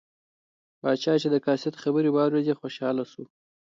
پاچا چې د قاصد خبرې واوریدې خوشحاله شو.